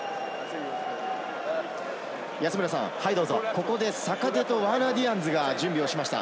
ここで坂手とワーナー・ディアンズが準備しました。